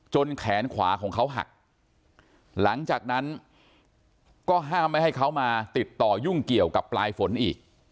แขนขวาของเขาหักหลังจากนั้นก็ห้ามไม่ให้เขามาติดต่อยุ่งเกี่ยวกับปลายฝนอีก